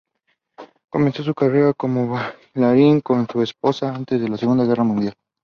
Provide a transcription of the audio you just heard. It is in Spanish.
Comenzó su carrera como bailarín con su esposa antes de la Segunda Guerra Mundial.